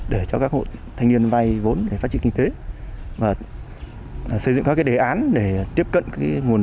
để cho các hội thanh niên vay vốn để phát triển kinh tế và xây dựng các đề án để tiếp cận nguồn